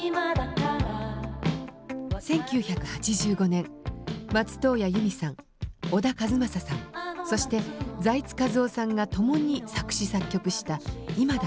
１９８５年松任谷由実さん小田和正さんそして財津和夫さんが共に作詞作曲した「今だから」。